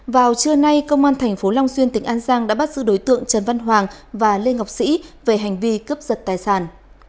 vào trưa nay công an tp long xuyên tỉnh an giang đã bắt giữ đối tượng trần văn hoàng và lê ngọc sĩ về hành vi cướp giật tài sản